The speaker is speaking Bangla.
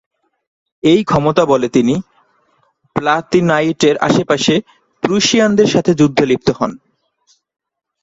এই ক্ষমতাবলে তিনি প্লাঁতেনোইটের আশেপাশে প্রুশিয়ানদের সাথে যুদ্ধে লিপ্ত হন।